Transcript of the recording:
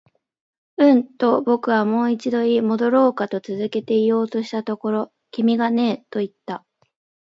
うん、と僕はもう一度言い、戻ろうかと続けて言おうとしたところ、君がねえと言った